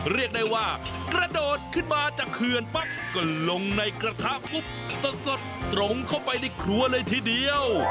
เรียกได้ว่ากระโดดขึ้นมาจากเขื่อนปั๊บก็ลงในกระทะปุ๊บสดตรงเข้าไปในครัวเลยทีเดียว